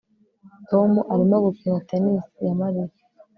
Tom arimo gukina tennis na Mariya